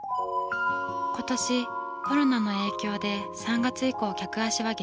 今年コロナの影響で３月以降客足は激減。